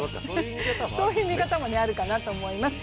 そういう見方もあるかなと思います。